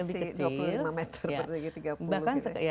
masih dua puluh lima meter berarti lagi tiga puluh gitu ya